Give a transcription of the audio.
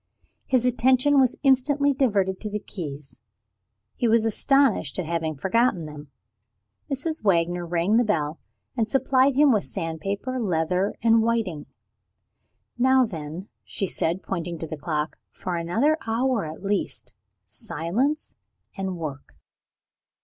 His attention was instantly diverted to the keys; he was astonished at having forgotten them. Mrs. Wagner rang the bell, and supplied him with sandpaper, leather, and whiting. "Now then," she said, pointing to the clock, "for another hour at least silence and work!"